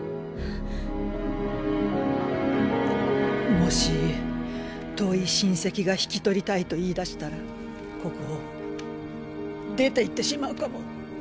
もし遠い親戚が引き取りたいと言いだしたらここを出ていってしまうかも。